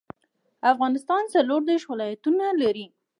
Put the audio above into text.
افغانستان څلوردیش ولایتونه لري.